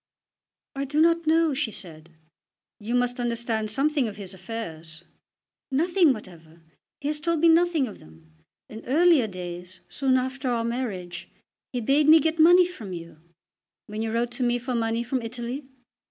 "I do not know," she said. "You must understand something of his affairs." "Nothing whatever. He has told me nothing of them. In earlier days, soon after our marriage, he bade me get money from you." "When you wrote to me for money from Italy?"